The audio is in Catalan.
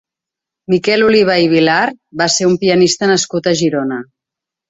Miquel Oliva i Vilar va ser un pianista nascut a Girona.